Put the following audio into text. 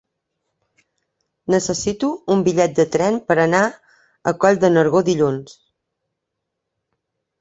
Necessito un bitllet de tren per anar a Coll de Nargó dilluns.